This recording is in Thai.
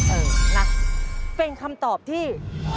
เออนะเป็นคำตอบที่